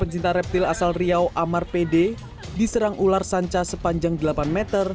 pecinta reptil asal riau amar pd diserang ular sanca sepanjang delapan meter